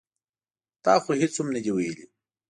ـ تا خو هېڅ هم نه دي ویلي.